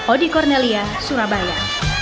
odi kornelia surabaya